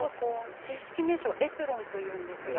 正式名称はエプロンと言われます。